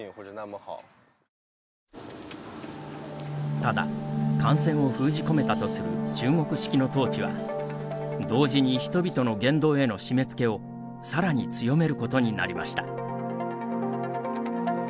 ただ、感染を封じ込めたとする中国式の統治は、同時に人々の言動への締めつけをさらに強めることになりました。